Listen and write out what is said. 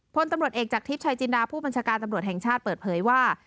พลตำรวจเอกจากทริปชายจินดาผู้บัญชาการตำรวจแห่งชาติเปิดเผยว่า